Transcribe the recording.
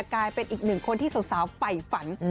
กลายเป็นอีกหนึ่งคนที่สาวไฝฝัน